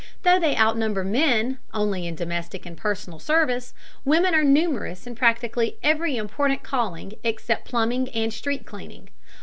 Though they outnumber men only in domestic and personal service, women are numerous in practically every important calling except plumbing and street cleaning.